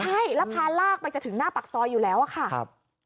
ใช่แล้วพาลากไปจะถึงหน้าปากซอยอยู่แล้วอะค่ะ